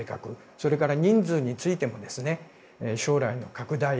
それから、人数についても将来の拡大